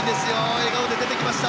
笑顔で出てきました。